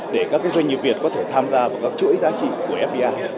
để các doanh nghiệp việt có thể tham gia vào các chuỗi giá trị của fdi